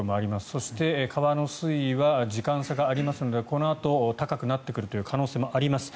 そして、川の水位は時間差がありますのでこのあと高くなってくるという可能性もあります。